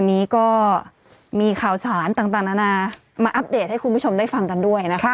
วันนี้ก็มีข่าวสารต่างนานามาอัปเดตให้คุณผู้ชมได้ฟังกันด้วยนะคะ